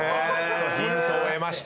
ヒントを得ました。